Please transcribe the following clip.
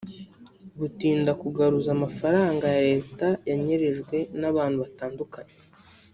Gutinda kugaruza amafaranga ya leta yanyerejwe n’abantu batandukanye